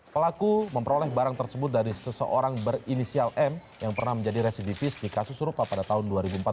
pelaku memperoleh barang tersebut dari seseorang berinisial m yang pernah menjadi residivis di kasus serupa pada tahun dua ribu empat belas